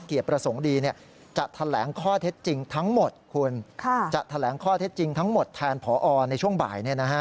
ก็บอกว่างานศพน้องต้นน้ำ